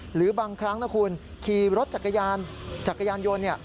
หรือบางครั้งนะคุณขี่รถจักรยานจักรยานยนต์เนี่ย